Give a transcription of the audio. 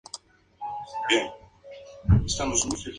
La pareja se trasladó al Oporto, en Portugal.